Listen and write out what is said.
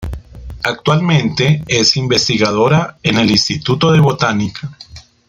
Actualmente es investigadora en el Instituto de Botánica.